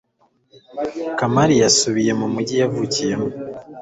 kamari yasubiye mu mujyi yavukiyemo